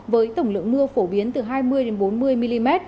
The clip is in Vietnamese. với tổng lượng mưa phổ biến từ hai mươi bốn mươi mm